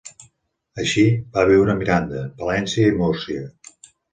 Així, va viure a Miranda, Palència i Múrcia.